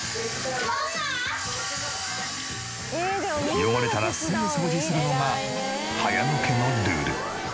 汚れたらすぐ掃除するのが早野家のルール。